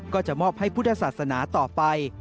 ก็จะมอบให้พุทธศาสนาต่อไป